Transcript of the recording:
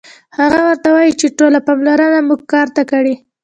هغه ورته وايي چې ټوله پاملرنه مو کار ته کړئ